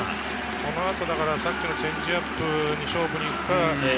この後、さっきのチェンジアップで勝負に行くか。